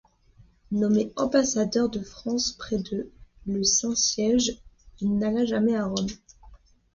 Nommé ambassadeur de France près le Saint-Siège, il n'alla jamais à Rome.